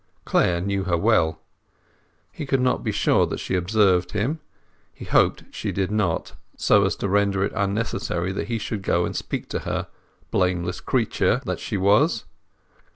Clare knew her well. He could not be sure that she observed him; he hoped she did not, so as to render it unnecessary that he should go and speak to her, blameless creature that she was.